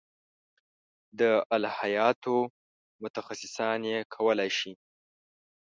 د الهیاتو متخصصان یې کولای شي.